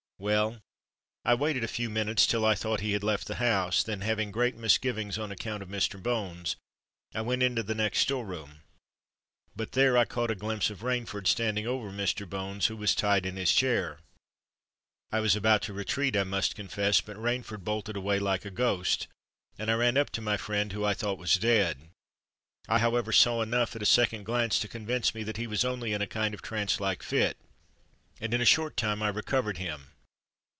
Well—I waited a few minutes, till I thought he had left the house; and then, having great misgivings on account of Mr. Bones, I went into the next store room. But there I caught a glimpse of Rainford, standing over Mr. Bones, who was tied in his chair. I was about to retreat, I must confess—but Rainford bolted away like a ghost; and I ran up to my friend, who I thought was dead. I however saw enough, at a second glance, to convince me that he was only in a kind of trance like fit; and in a short time I recovered him.